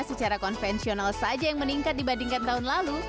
secara konvensional saja yang meningkat dibandingkan tahun lalu